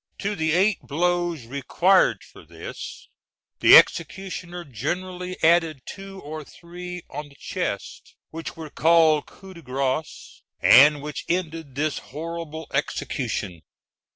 To the eight blows required for this, the executioner generally added two or three on the chest, which were called coups de grâce, and which ended this horrible execution.